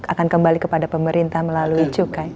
akan kembali kepada pemerintah melalui cukai